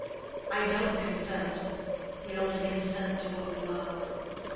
I don't consent. We only consent to what we love.